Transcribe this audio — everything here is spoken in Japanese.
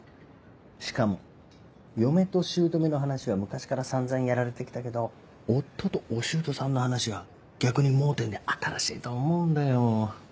しかも嫁と姑の話は昔から散々やられてきたけど夫とお舅さんの話は逆に盲点で新しいと思うんだよ。